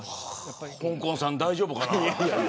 ほんこんさん、大丈夫かな。